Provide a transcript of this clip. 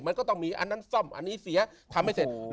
มันก็ต้องมีอันนั้นซ่อมอันนี้เสียทำให้เสร็จ